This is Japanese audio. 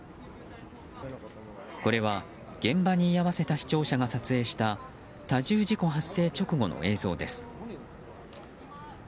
これは現場に居合わせた視聴者が撮影した多重事故発生直後の映像です。